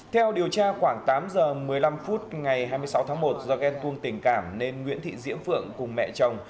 theo điều tra khoảng tám giờ một mươi năm phút ngày hai mươi sáu tháng một do ghen tuông tình cảm nên nguyễn thị diễm phượng cùng mẹ chồng